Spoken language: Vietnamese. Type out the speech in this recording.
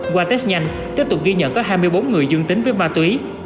qua test nhanh tiếp tục ghi nhận có hai mươi bốn người dương tính với ma túy